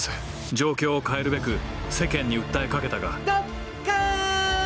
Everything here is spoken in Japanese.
状況を変えるべく世間に訴え掛けたがドッカン！